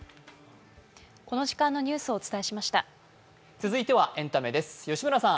続いてはエンタメです。